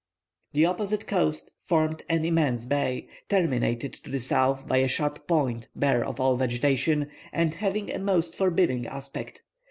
The opposite coast formed an immense bay, terminated to the south by a sharp point bare of all vegetation, and having a most forbidding aspect.